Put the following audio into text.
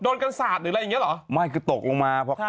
โดนกันสาตว์หรืออะไรอย่างนี้เหรอ